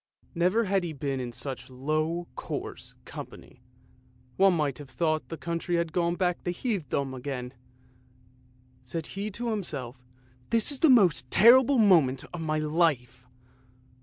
Never had he been in such low, coarse company; one might have thought the country had gone back to heathendom again. Said he to himself, " This is the most terrible moment of my life